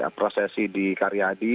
prosesi di karyadi